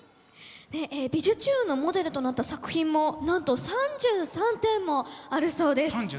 で「びじゅチューン！」のモデルとなった作品もなんと３３点もあるそうです。